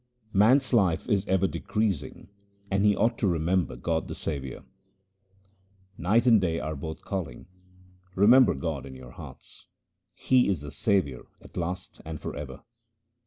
Man's life is ever decreasing, and he ought to remember God the Saviour :— Night and day are both calling — Remember God in your hearts : He is the Saviour at last and for ever.